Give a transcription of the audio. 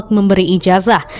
untuk memberi ijazah